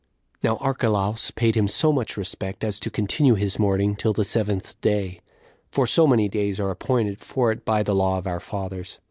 4. Now Archelaus paid him so much respect, as to continue his mourning till the seventh day; for so many days are appointed for it by the law of our fathers.